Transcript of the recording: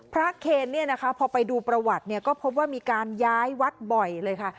เคนเนี่ยนะคะพอไปดูประวัติเนี่ยก็พบว่ามีการย้ายวัดบ่อยเลยค่ะ